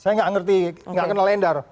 saya gak ngerti gak kenal ender